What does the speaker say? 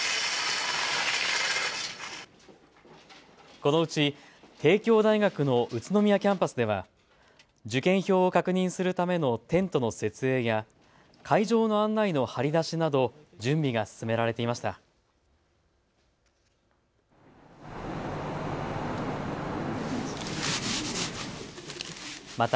このうち帝京大学の宇都宮キャンパスでは受験票を確認するためのテントの設営や会場の案内の張り出しなど準備が進められていました。